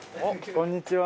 こんにちは。